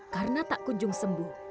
karena tak kunjung sembuh